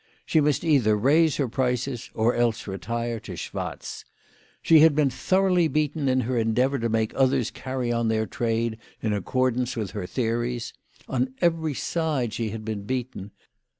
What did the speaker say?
She must either raise her prices, or else retire to Schwatz. She had been thoroughly beaten in her endeavour to make others carry on their trade in accordance with her theories. On every side she had been beaten.